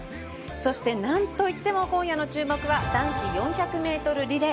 そして、なんといっても今夜の注目は男子４００ｍリレー。